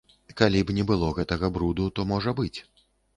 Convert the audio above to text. Калі б не было гэтага бруду, то можа быць.